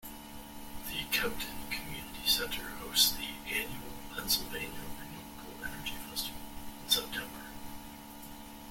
The Kempton Community Center hosts the annual Pennsylvania Renewable Energy Festival in September.